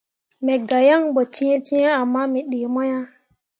Me gah yaŋ ɓo cẽecẽe ama me ɗii mo ah.